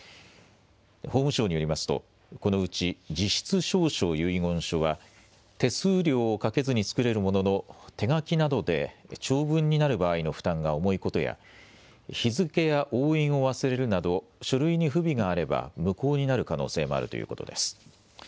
法務省によりますとこのうち自筆証書遺言書は手数料をかけずに作れるものの手書きなので長文になる場合の負担が重いことや日付や押印を忘れるなど書類に不備があれば無効になる可能性もあるということです。